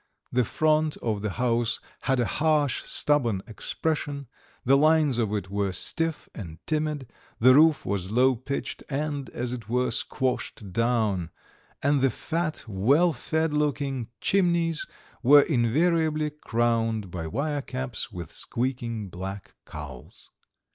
The front of the house had a harsh, stubborn expression; the lines of it were stiff and timid; the roof was low pitched and, as it were, squashed down; and the fat, well fed looking chimneys were invariably crowned by wire caps with squeaking black cowls.